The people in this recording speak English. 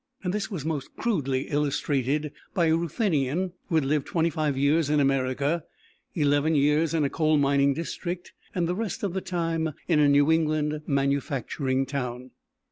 This was most crudely illustrated by a Ruthenian who had lived twenty five years in America; eleven years in a coal mining district and the rest of the time in a New England manufacturing town.